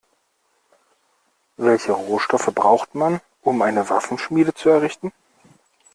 Welche Rohstoffe braucht man, um eine Waffenschmiede zu errichten?